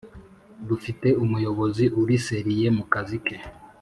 Dufite umuyobozi uri seriye mukazi ke